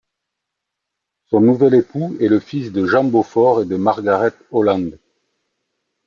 Son nouvel époux est le fils de Jean Beaufort et de Margaret Holland.